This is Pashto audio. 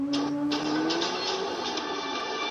نظریات وخت په وخت بدلیږي.